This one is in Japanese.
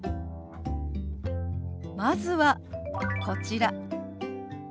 まずはこちら。